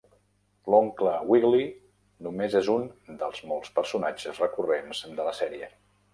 L'oncle Wiggily només és un dels molts personatges recurrents de la sèrie.